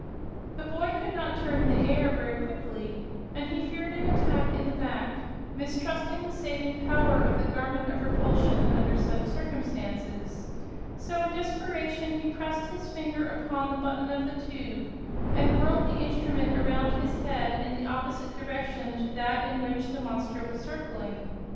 The boy could not turn in the air very quickly, and he feared an attack in the back, mistrusting the saving power of the Garment of Repulsion under such circumstances; so in desperation he pressed his finger upon the button of the tube and whirled the instrument around his head in the opposite direction to that in which the monster was circling.